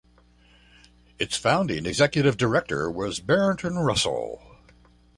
Its founding Executive Director was Barton Russell.